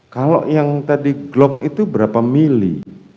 kalau yang tadi glock itu berapa mili